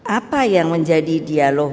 apa yang menjadi dialog